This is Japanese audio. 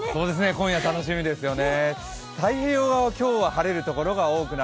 今夜楽しみですよね。